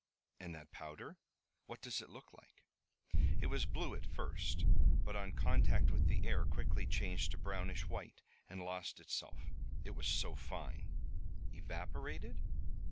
"And that powder, what did it look like?" "It was blue at first but on contact with the air quickly changed to brownish white and lost itself, it was so fine." "Evaporated?"